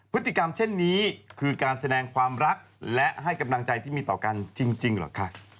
พฤติกรรมเช่นนี้คือการแสดงความรักและให้กำลังใจที่มีต่อกันจริงเหรอคะ